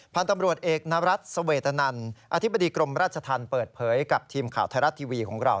พันธุ์ตำรวจเอกนรัฐสเวตนันอธิบดีกรมราชธรรมเปิดเผยกับทีมข่าวไทยรัฐทีวีของเรา